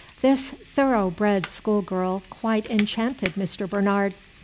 This thorough bred school girl quite enchanted Mr. Bernard.